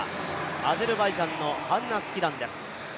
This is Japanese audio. アゼルバイジャンのハンナ・スキダンです。